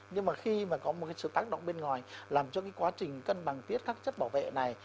nhưng mà khi mà có một cái sự tác động bên ngoài làm cho cái quá trình cân bằng tuyết các chất bảo vệ này